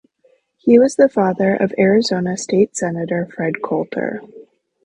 He was the father of Arizona state senator Fred Colter.